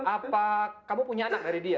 apa kamu punya anak dari dia